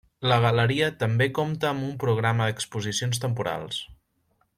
La galeria també compta amb un programa d'exposicions temporals.